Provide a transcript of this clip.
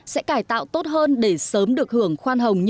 sẽ cải tạo tốt hơn để sớm được hưởng khoan hồng